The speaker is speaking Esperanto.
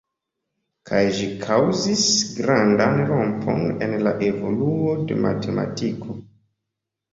Kaj ĝi kaŭzis grandan rompon en la evoluo de matematiko.